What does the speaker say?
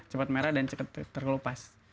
cepat merah dan cepat terkelupas